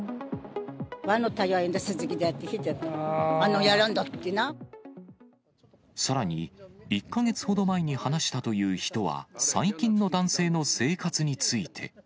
私の田んぼをとったって、さらに１か月ほど前に話したという人は、最近の男性の生活について。